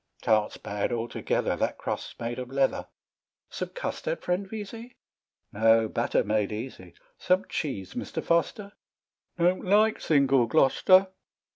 "Tarts bad altogether; That crust's made of leather." "Some custard, friend Vesey?" "No batter made easy." "Some cheese, Mr. Foster?" " Don't like single Glo'ster."